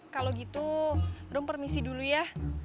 kalo gitu rom permisi dulu ya